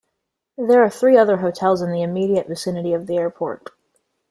There are three other hotels in the immediate vicinity of the airport.